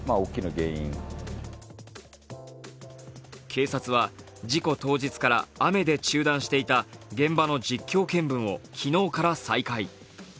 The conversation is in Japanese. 警察は事故当日から雨で中断していた現場の実況見分を昨日から再開。